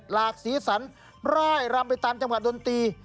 หลากสีสันร่ายรำไปตามจังหวัดดนตรี